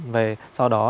về hà nội